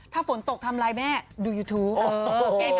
ถ้าฝนตกทำไลน์แม่ดูยูทูป